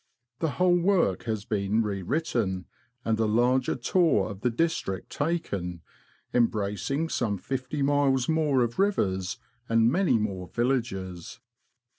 The whole v^rork has been re written, and a larger tour of the district taken, embracing some fifty miles more of rivers, and many more villages.